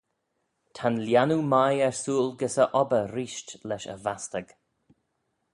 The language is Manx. Ta'n lhiannoo mie ersooyl gys e obbyr reesht lesh y vastag.